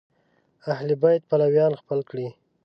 اهل بیت پلویان خپل کړي